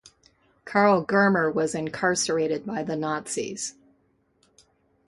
Karl Germer was incarcerated by the Nazis.